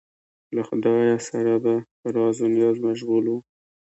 له خدایه سره به په راز و نیاز مشغول و.